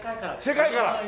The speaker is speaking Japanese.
世界から！